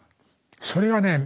それがね